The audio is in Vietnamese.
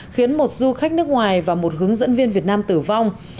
khiến một du khách nước ngoài và một hướng dẫn viên việt nam tử vong